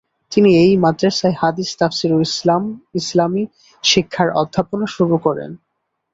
তিনি এই মাদ্রাসায় হাদিস, তাফসীর ও ইসলামি শিক্ষার অধ্যাপনা শুরু করেন।